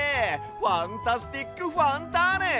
ファンタスティックファンターネ！